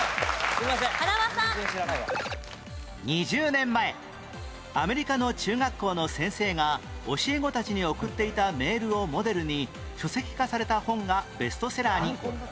２０年前アメリカの中学校の先生が教え子たちに送っていたメールをモデルに書籍化された本がベストセラーに